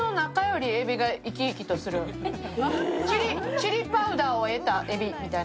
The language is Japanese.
チリパウダーを得たえびみたいな。